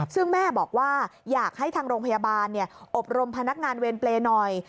ซึ่งแม่บอกว่าอยากให้ทางโรงพยาบาลอบรมพนักงานเวรเปรย์หน่อย